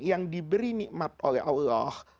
yang diberi nikmat oleh allah